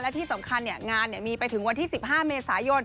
และที่สำคัญงานมีไปถึงวันที่๑๕เมษายน